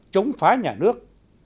chống phá nhà nước